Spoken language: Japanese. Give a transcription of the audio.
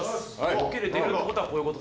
よけれてるってことはこういうこと。